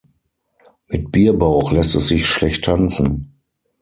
Mit Bierbauch lässt es sich schlecht tanzen